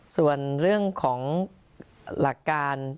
ส่วนเรื่องของหลักการ